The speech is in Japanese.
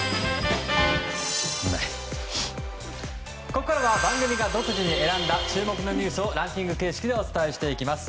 ここからは番組が独自に選んだ注目のニュースをランキング形式でお伝えします。